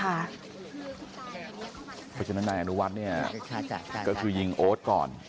เพราะฉะนั้นนายอนุวัฒน์เนี่ยก็คือยิงโอ๊ตก่อน